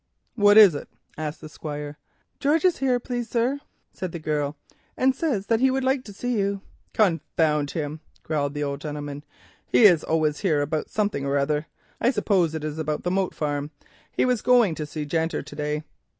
"What is it?" asked the Squire. "George is here, please, sir," said the girl, "and says that he would like to see you." "Confound him," growled the old gentleman; "he is always here after something or other. I suppose it is about the Moat Farm. He was going to see Janter to day.